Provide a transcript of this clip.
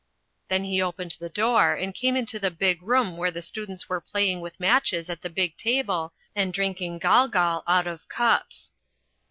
Then he opened the door and came into the big room where the students were playing with matches at the big table and drinking golgol out of cups.